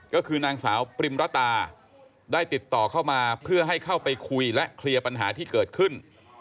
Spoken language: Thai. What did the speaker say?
ก็คือนางสาวปริมรตาได้ติดต่อเข้ามาเพื่อให้เข้าไปคุยและเคลียร์ปัญหาที่เกิดขึ้น